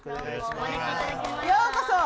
ようこそ。